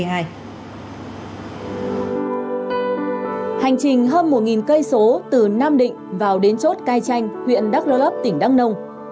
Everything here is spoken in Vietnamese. hành trình hơn một cây số từ nam định vào đến chốt cai chanh huyện đắk lắp tỉnh đắc nông